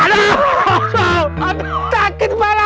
aduh takut kepala